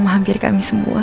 mahamir kami semua